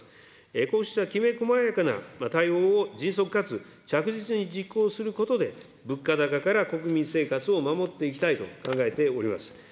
こうしたきめこまやかな対応を迅速かつ着実に実行することで、物価高から国民生活を守っていきたいと考えております。